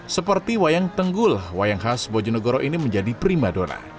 seperti wayang tenggul wayang khas bojonegoro ini menjadi prima dona